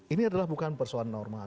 ini adalah bukan persoalan normal